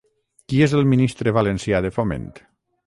Qui és el ministre valencià de Foment?